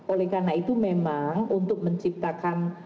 oleh karena itu memang untuk menciptakan